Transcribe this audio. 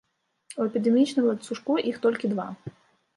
У эпідэмічным ланцужку іх толькі два.